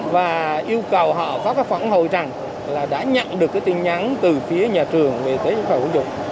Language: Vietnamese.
và yêu cầu họ có cái phản hồi rằng là đã nhận được cái tin nhắn từ phía nhà trường về thế giới phạm hữu dục